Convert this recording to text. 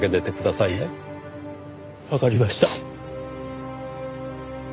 わかりました。